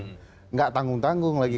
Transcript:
tidak tanggung tanggung lagi